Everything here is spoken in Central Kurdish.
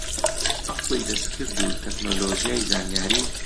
عەقڵی دەستکرد و تەکنۆلۆژیای زانیاری